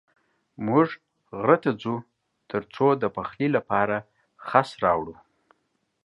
موږ غره ته ځو تر څو د پخلي لپاره خس راوړو.